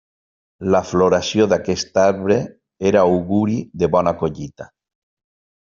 La floració d'aquest arbre era auguri de bona collita.